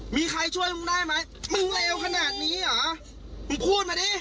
มีใครช่วยมึงได้ไหมมึงเลวขนาดนี้เหรอมึงพูดมาดิ